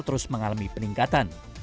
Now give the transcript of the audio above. terus mengalami peningkatan